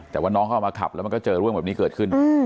แต่ว่าน้องเขาเอามาขับแล้วมันก็เจอเรื่องแบบนี้เกิดขึ้น